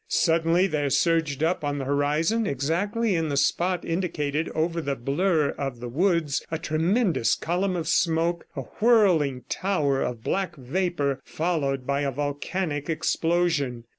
Suddenly there surged up on the horizon, exactly in the spot indicated over the blur of the woods, a tremendous column of smoke, a whirling tower of black vapor followed by a volcanic explosion.